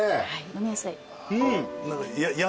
飲みやすい？